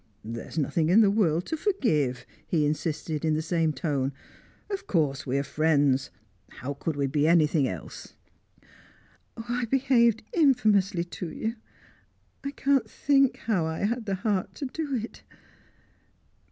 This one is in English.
"There is nothing in the world to forgive," he insisted, in the same tone. "Of course we are friends! How could we be anything else?" "I behaved infamously to you! I can't think how I had the heart to do it!"